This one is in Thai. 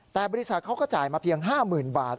แต่บริษัทเขาก็จ่ายมาเพียง๕๐๐๐บาท